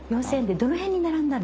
どの辺に並んだの？